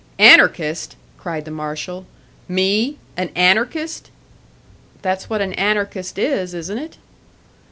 "Anarchist?" cried the marshal. "Me an anarchist?" "That's what an anarchist is, isn't it?"